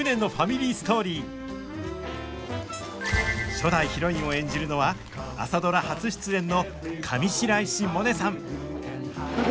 初代ヒロインを演じるのは「朝ドラ」初出演の上白石萌音さん！